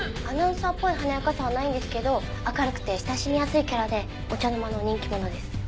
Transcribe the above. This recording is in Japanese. アナウンサーっぽい華やかさはないんですけど明るくて親しみやすいキャラでお茶の間の人気者です。